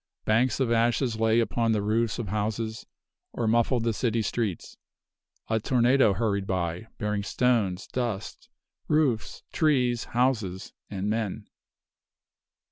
Banks of ashes lay upon the roofs of houses, or muffled the city streets. A tornado hurried by, bearing stones, dust, roofs, trees, houses, and men.